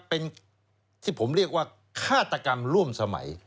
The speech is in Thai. เป็นที่ผมเรียกว่าฆาตกรรมร่วมสมัย